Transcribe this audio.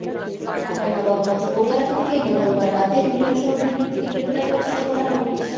চাঁপাইনবাবগঞ্জ পৌর এলাকা থেকে মঙ্গলবার রাতে হেরোইনসহ দুই ব্যক্তিকে গ্রেপ্তার করেছে সদর থানা-পুলিশ।